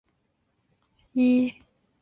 为金庸小说中武功最绝顶的高手之一。